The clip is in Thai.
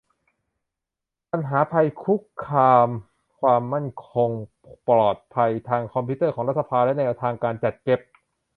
ปัญหาภัยคุกคามความมั่นคงปลอดภัยทางคอมพิวเตอร์ของรัฐสภา และ แนวทางการจัดเก็บ